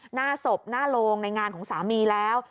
หน้าศพหน้าโรงในงานของสามีแล้ว